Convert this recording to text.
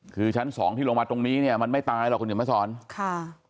คือชั้นสองที่ลงมาตรงนี้เนี่ยมันไม่ตายหรอกคุณเห็นมาสอนค่ะ